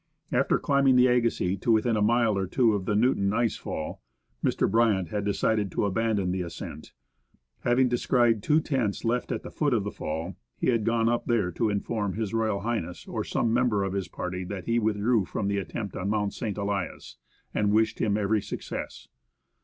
After climbing the Agassiz to within a mile or two of the Newton ice fall, Mr, Bryant had decided to abandon the ascent. Having descried two tents left at the foot of the fall, he had gone up there to inform H.R. H. or some member of his party that he withdrew from the attempt on Mount St. Elias, and wished him every success.